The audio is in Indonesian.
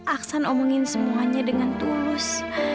aksan omongin semuanya dengan tulus